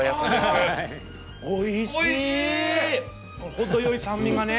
程よい酸味がね。